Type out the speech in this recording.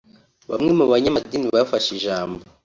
Bamwe mu banyamadini bafashe ijambo